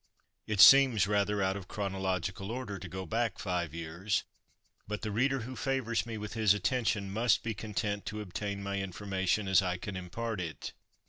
It seems rather out of chronological order to go back five years; but the reader who favours me with his attention must be content to obtain my information as I can impart it.